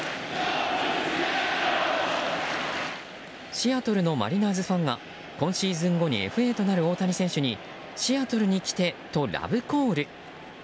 シアトルのマリナーズファンが今シーズン後にＦＡとなる大谷選手にシアトルに来てとラブコール。